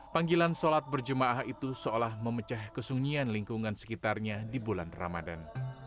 panggilan sholat berjemaah itu seolah memecah kesunyian lingkungan sekitarnya di bulan ramadan